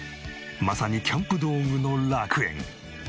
まさにキャンプ道具の楽園。